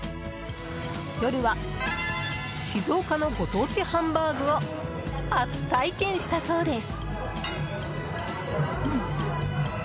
夜は、静岡のご当地ハンバーグを初体験したそうです。